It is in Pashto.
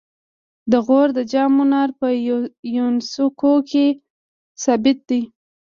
د غور د جام منار په یونسکو کې ثبت دی